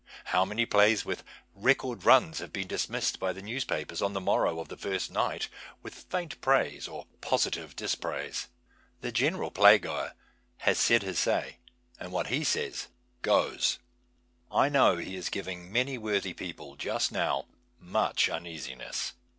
How many plays with " record " runs have been dismissed by the news papers on the morrow of the first night with faint praise or positive dispraise ? The general playgoer has said his say, and what he says " goes.'' I know he is giving many worthy people just now much uneasiness.